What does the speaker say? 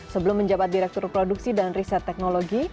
sebelum menjabat direktur produksi dan riset teknologi